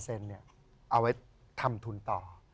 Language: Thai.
เอาไว้ทำทุนต่อ